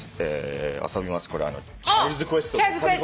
遊びます。